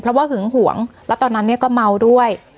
เพราะว่าหึงหวงแล้วตอนนั้นเนี่ยก็เมาด้วย